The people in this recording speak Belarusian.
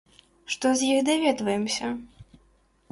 Што з іх даведваемся?